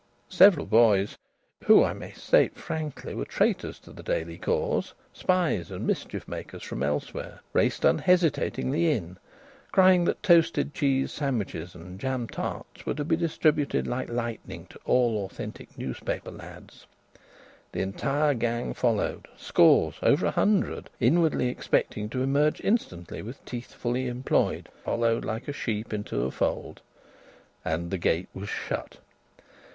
Several boys (who, I may state frankly, were traitors to the Daily cause, spies and mischief makers from elsewhere) raced unhesitatingly in, crying that toasted cheese sandwiches and jam tarts were to be distributed like lightning to all authentic newspaper lads. The entire gang followed scores, over a hundred inwardly expecting to emerge instantly with teeth fully employed, followed like sheep into a fold. And the gate was shut.